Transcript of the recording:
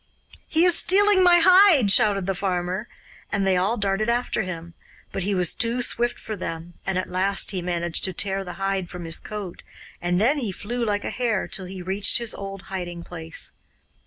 'He is stealing my hide!' shouted the farmer, and they all darted after him; but he was too swift for them, and at last he managed to tear the hide from his coat, and then he flew like a hare till he reached his old hiding place.